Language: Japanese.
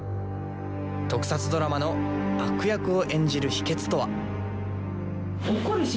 特撮ドラマの悪役を演じる秘けつとは。